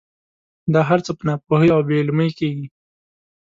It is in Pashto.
دا هر څه په ناپوهۍ او بې علمۍ کېږي.